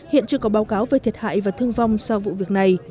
hiện chưa có báo cáo về thiệt hại và thương vong sau vụ việc này